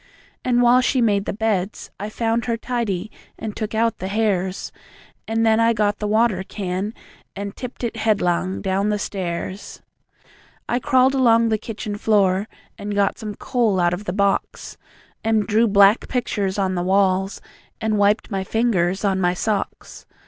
And while she made the beds, I found Her tidy, and took out the hairs; And then I got the water can And tipped it headlong down the stairs. I crawled along the kitchen floor, And got some coal out of the box, And drew black pictures on the walls, And wiped my fingers on my socks.